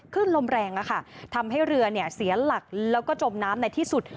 คลื่นลมแรงค่ะทำให้เรือเนี่ยเสียหลักแล้วก็จมน้ำในที่สุด